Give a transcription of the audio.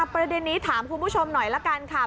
ประเด็นนี้ถามคุณผู้ชมหน่อยละกันค่ะ